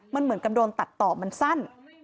มันเหมือนกับโดนตัดต่อมันสั้น